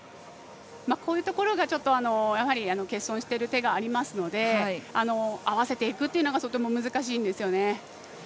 こういうところが欠損してる手がありますので合わせていくっていうのがとても難しいんですよね。